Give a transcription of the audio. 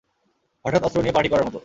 হঠাৎ অস্ত্র নিয়ে পার্টি করার মত।